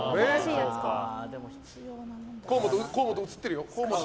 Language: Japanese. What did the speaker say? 河本、映ってるよ。